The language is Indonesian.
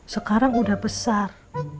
sekarang udah besar